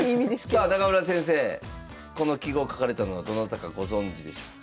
さあ中村先生この揮毫書かれたのはどなたかご存じでしょうか。